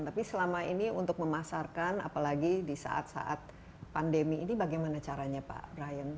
tapi selama ini untuk memasarkan apalagi di saat saat pandemi ini bagaimana caranya pak brian